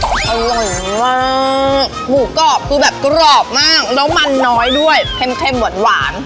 อร่อยมากหมูกรอบคือแบบกรอบมากแล้วมันน้อยด้วยเค็มหวาน